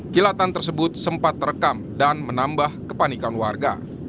kilatan tersebut sempat terekam dan menambah kepanikan warga